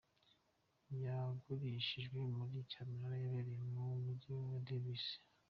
Yagurishirijwe muri cyamunara yabereye mu mujyi wa Devizes.